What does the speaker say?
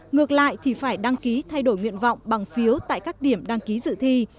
ngược lại thì phải đăng ký thay đổi nguyện vọng bằng phiếu tại các điểm đăng ký dự thi